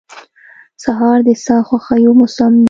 سهار د ساده خوښیو موسم دی.